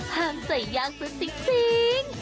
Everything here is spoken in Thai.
ห้ามใส่ยางซะซิ้ง